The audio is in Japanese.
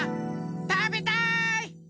たべたい！